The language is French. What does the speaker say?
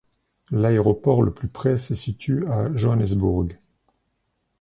L'aéroport le plus près se situe à Johannesburg.